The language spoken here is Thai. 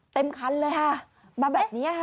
เต็มคันเลยค่ะมาแบบนี้ค่ะ